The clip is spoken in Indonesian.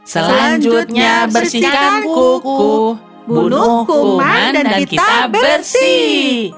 selanjutnya bersihkan kuku bunuh kuman dan kita bersih